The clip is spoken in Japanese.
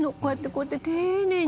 こうやって丁寧に。